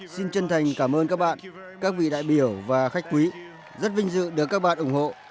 xin chân thành cảm ơn các bạn các vị đại biểu và khách quý rất vinh dự được các bạn ủng hộ